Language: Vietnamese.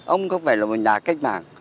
ông không phải là một nhà cách mạng